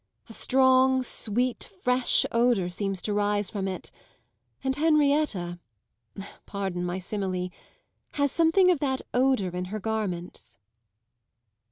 A strong, sweet, fresh odour seems to rise from it, and Henrietta pardon my simile has something of that odour in her garments."